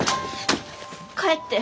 帰って。